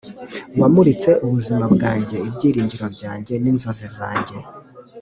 wamuritse ubuzima bwanjye, ibyiringiro byanjye, n'inzozi zanjye.